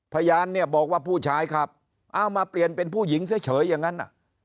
พยานเนี่ยบอกว่าผู้ชายขับเอามาเปลี่ยนเป็นผู้หญิงเฉยอย่างนั้น